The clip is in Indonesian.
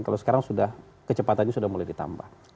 kalau sekarang sudah kecepatannya sudah mulai ditambah